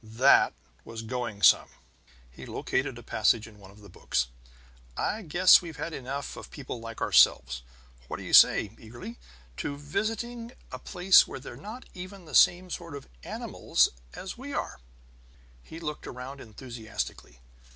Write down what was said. "That was going some!" He located a passage in one of the books. "I guess we've had enough of people like ourselves. What do you say," eagerly, "to visiting a place where they're not even the same sort of animals as we are?" He looked around enthusiastically.